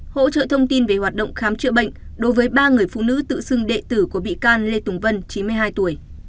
hỗ trợ thông tin về hoạt động khám chữa bệnh đối với ba người phụ nữ tự xưng đệ tử của bị can lê tùng vân chín mươi hai tuổi